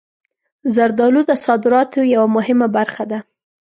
زردالو د صادراتو یوه مهمه برخه ده.